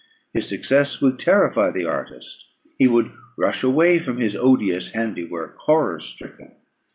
His success would terrify the artist; he would rush away from his odious handywork, horror stricken.